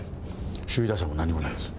首位打者も何にもないんです。